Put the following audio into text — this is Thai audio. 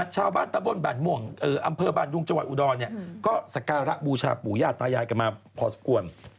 ชาวบ้านตะบนบานม่วงอำเภอบ้านดุงจังหวัดอุดรก็สการะบูชาปู่ย่าตายายกันมาพอสมควร